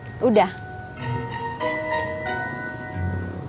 orang orang yang kerja di sini